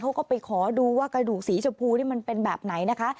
เขาก็ไปขอดูว่ากระดูกสีชมพูนี่มันเป็นแบบไหนนะคะ